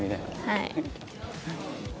はい。